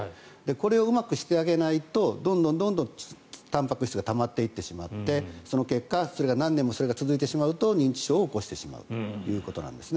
これをうまくしてあげないとどんどんたんぱく質がたまっていってしまってその結果、それが何年も続いてしまうと認知症を起こしてしまうということなんです。